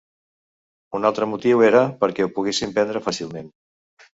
Un altre motiu era perquè ho poguessin vendre fàcilment.